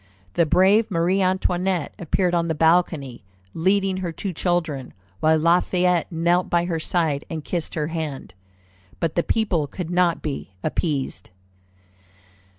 The brave Marie Antoinette appeared on the balcony leading her two children, while Lafayette knelt by her side and kissed her hand. But the people could not be appeased.